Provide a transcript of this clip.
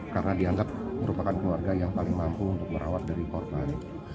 karena dianggap merupakan keluarga yang paling mampu untuk merawat dari korban